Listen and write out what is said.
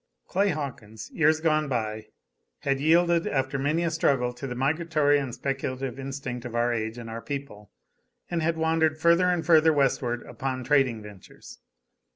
Clay Hawkins, years gone by, had yielded, after many a struggle, to the migratory and speculative instinct of our age and our people, and had wandered further and further westward upon trading ventures.